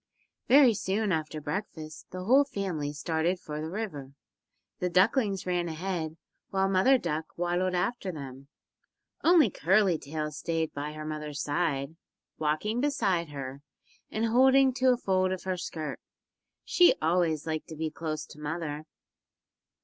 Very soon after breakfast the whole family started for the river. The ducklings ran ahead, while Mother Duck waddled after them. Only Curly Tail stayed by her mother's side, walking beside her, and holding to a fold of her skirt. She always liked to be close to mother.